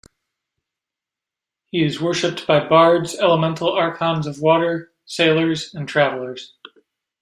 He is worshipped by bards, elemental archons of water, sailors and travelers.